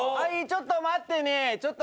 ちょっと待ってね。